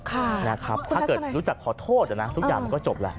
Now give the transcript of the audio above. ค่ะคุณทัศนายถ้าเกิดรู้จักขอโทษทุกอย่างมันก็จบแล้ว